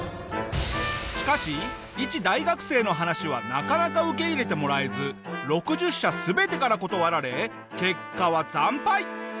しかし一大学生の話はなかなか受け入れてもらえず６０社全てから断られ結果は惨敗。